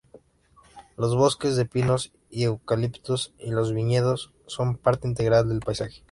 Los bosques de pinos y eucaliptus, y los viñedos son parte integral del paisaje.